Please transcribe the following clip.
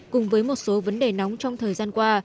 cùng với một số vấn đề nóng trong thời gian qua